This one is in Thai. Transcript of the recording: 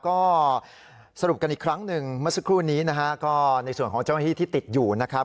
ก็สรุปกันอีกครั้งหนึ่งเมื่อสักครู่นี้นะฮะก็ในส่วนของเจ้าหน้าที่ที่ติดอยู่นะครับ